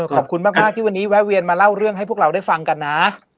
ขอบคุณมากที่วันนี้แวะเวียนมาเล่าเรื่องให้พวกเราได้ฟังกันนะ